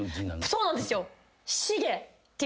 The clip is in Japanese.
そうなんですよ！